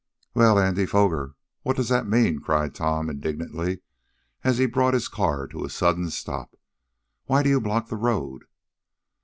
"Well, Andy Foger, what does that mean?" cried Tom, indignantly, as he brought his car to a sudden stop. "Why do you block the road?"